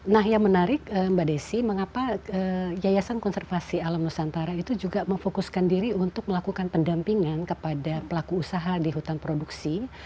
nah yang menarik mbak desi mengapa yayasan konservasi alam nusantara itu juga memfokuskan diri untuk melakukan pendampingan kepada pelaku usaha di hutan produksi